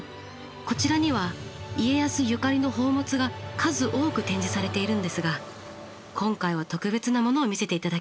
こちらには家康ゆかりの宝物が数多く展示されているんですが今回は特別なものを見せて頂きます。